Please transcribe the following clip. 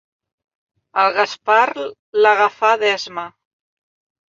El Gaspar l'agafa d'esma.